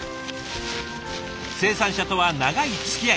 生産者とは長いつきあい。